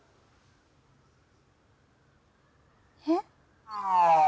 えっ？